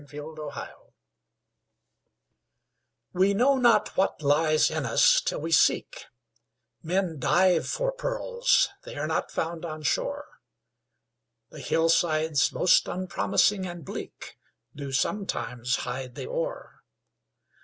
HIDDEN GEMS We know not what lies in us, till we seek; Men dive for pearls—they are not found on shore, The hillsides most unpromising and bleak Do sometimes hide the ore.